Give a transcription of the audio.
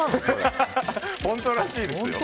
本当らしいですよ。